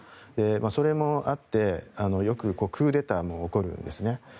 それもあって、よくクーデターも起こるんですね。